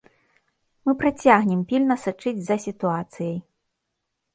Мы працягнем пільна сачыць за сітуацыяй.